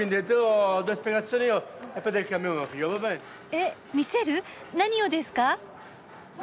えっ見せる？何をですか？